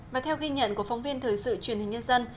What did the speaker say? và theo ghi nhận của phóng viên thời sự truyền hình nhân dân